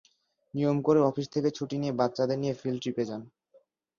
নিয়ম করে অফিস থেকে ছুটি নিয়ে বাচ্চাদের নিয়ে ফিল্ড ট্রিপে যান।